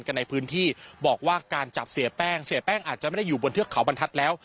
กันในพื้นที่บอกว่าการจับเสียแป้งเสียแป้งอาจจะไม่ได้อยู่บนเทือกเขาบรรทัศน์แล้ว